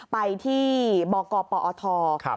ไปที่บกปอทครับ